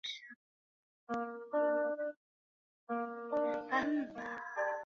影片是成为环球影业总监后的首部电影。